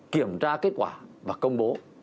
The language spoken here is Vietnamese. kiểm tra kết quả và công bố